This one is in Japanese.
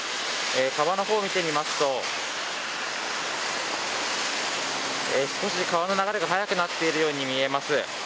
川の方をみてみますと少し川の流れが速くなっているように見えます。